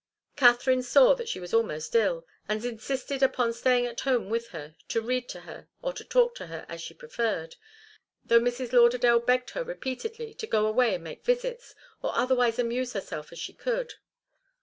Katharine saw that she was almost ill, and insisted upon staying at home with her, to read to her, or to talk, as she preferred, though Mrs. Lauderdale begged her repeatedly to go away and make visits, or otherwise amuse herself as she could.